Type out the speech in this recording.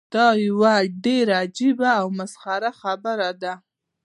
دا یوه ډیره عجیبه او مسخره خبره ده.